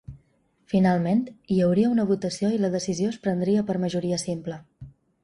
Finalment, hi hauria una votació i la decisió es prendria per majoria simple.